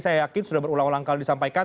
saya yakin sudah berulang ulang kali disampaikan